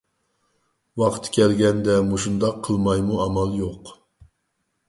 ۋاقتى كەلگەندە مۇشۇنداق قىلمايمۇ ئامال يوق.